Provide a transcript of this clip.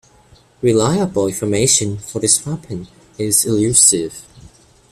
Reliable information for this weapon is elusive.